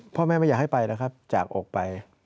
พ่อแม่ไม่อยากให้ไปนะครับจากอกไป